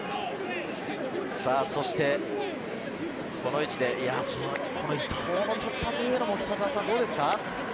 そして、この位置で伊東の突破も北澤さん、どうですか？